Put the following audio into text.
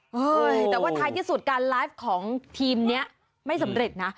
เอ้ยแต่ว่าท้ายที่สุดการไลฟ์ของทีมนี้ไม่สำเร็จนะ